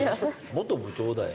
元部長だよ。